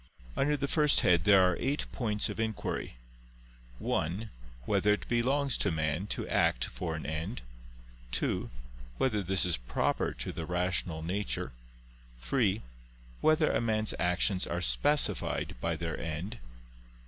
Under the first head there are eight points of inquiry: (1) Whether it belongs to man to act for an end? (2) Whether this is proper to the rational nature? (3) Whether a man's actions are specified by their end?